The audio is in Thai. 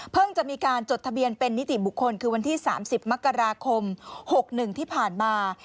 จะมีการจดทะเบียนเป็นนิติบุคคลคือวันที่๓๐มกราคม๖๑ที่ผ่านมา